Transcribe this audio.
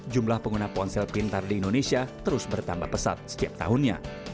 jumlah pengguna ponsel pintar di indonesia terus bertambah pesat setiap tahunnya